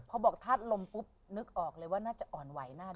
พอบอกธาตุลมปุ๊บนึกออกเลยว่าน่าจะอ่อนไหวมาก